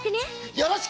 よろしく！